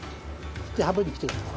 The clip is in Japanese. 半分に切ってください。